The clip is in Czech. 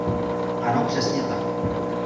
Ano, přesně tak...